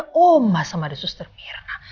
kan ada oma sama ada suster mirna